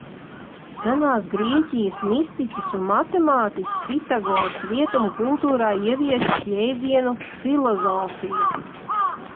Senās Grieķijas mistiķis un matemātiķis Pitagors rietumu kultūrā ieviesis jēdzienu filozofija.